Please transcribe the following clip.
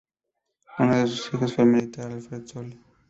Uno de sus hijos fue el militar Alfred Sully.